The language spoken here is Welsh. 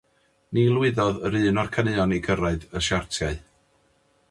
Ni lwyddodd yr un o'r caneuon i gyrraedd y siartiau.